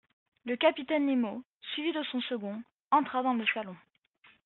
Le capitaine Nemo, suivi de son second, entra dans le salon.